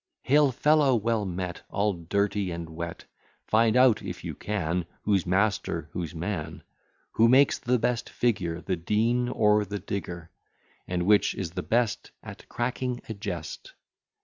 ] Hail, fellow, well met, All dirty and wet: Find out, if you can, Who's master, who's man; Who makes the best figure, The Dean or the digger; And which is the best At cracking a jest.